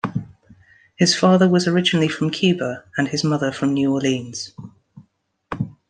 His father was originally from Cuba, and his mother from New Orleans.